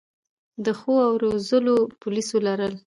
د ښو او روزلو پولیسو لرل